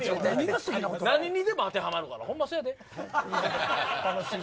何にでも当てはまるからほんまそうやで。